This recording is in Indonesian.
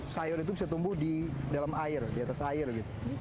sayur itu bisa tumbuh di dalam air di atas air gitu